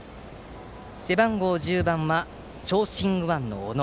背番号１０番、長身右腕の小野。